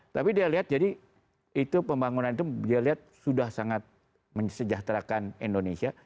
tapi dia lihat jadi itu pembangunan itu dia lihat sudah sangat mensejahterakan indonesia